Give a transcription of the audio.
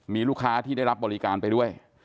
มีลูกค้าที่ได้รับบริการไปด้วย